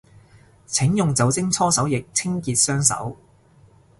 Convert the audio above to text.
請用酒精搓手液清潔雙手